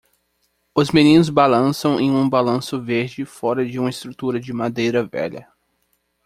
Os meninos balançam em um balanço verde fora de uma estrutura de madeira velha.